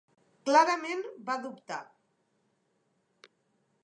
Clarament va dubtar.